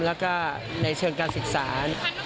แล้วก็ในเชิงการศึกษา